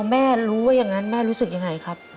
แม่รู้ว่าอย่างนั้นแม่รู้สึกยังไงครับ